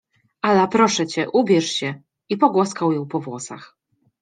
— Ala, proszę cię, ubierz się — i pogłaskał ją po włosach.